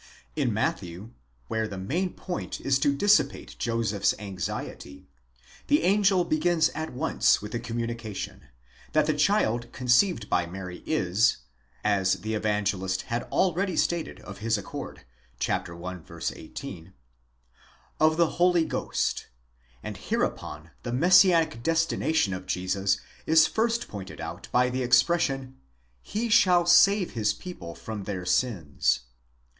In Matthew, where the main point is to dissipate Joseph's anxiety, the angel begins at once with the communication, that the child conceived by Mary is (as the Evangelist had already stated of his own accord, chap. i. 18), of the Holy Ghost (πνεῦμα ἅγιον) ; and hereupon the Messianic destination of Jesus is first pointed out by the expression, He shail save his people from their sins.